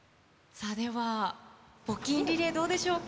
さあ、では募金リレー、どうでしょうか。